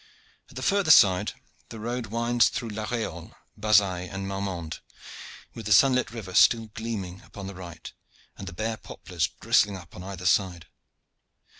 At the further side the road winds through La Reolle, Bazaille, and Marmande, with the sunlit river still gleaming upon the right, and the bare poplars bristling up upon either side.